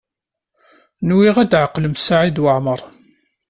Nwiɣ ad tɛeqlem Saɛid Waɛmaṛ.